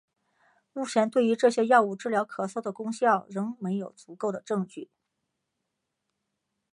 目前对于这些药物治疗咳嗽的功效仍没有足够证据。